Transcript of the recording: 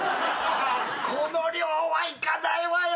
この量はいかないわよ。